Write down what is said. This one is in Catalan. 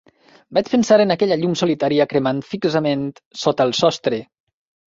Vaig pensar en aquella llum solitària cremant fixament sota el sostre.